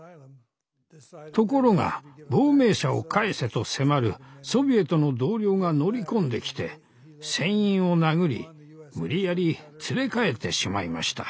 ところが亡命者を返せと迫るソビエトの同僚が乗り込んできて船員を殴り無理やり連れ帰ってしまいました。